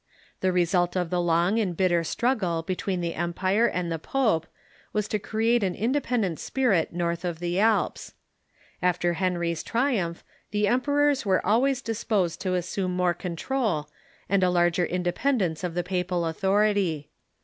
The re sult of the long and bitter struggle between the empire and the pope was to create an independent spirit north of the Alps. After Henry's trium^ih the emperors were always disposed to assume more control, and a larger independence of the papal authoi'ity.